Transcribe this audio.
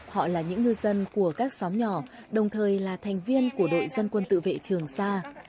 họ là những ngư dân của các xóm nhỏ đồng thời là thành viên của đội dân quân tự vệ trường sa